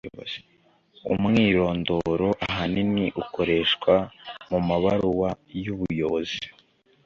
Umwirondoro ahanini ukoreshwa mu mabaruwa y’ubuyobozi